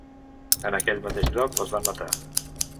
En aquell mateix lloc les van matar.